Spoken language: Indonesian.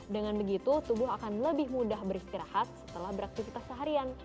dengan begitu tubuh akan lebih mudah beristirahat setelah beraktivitas seharian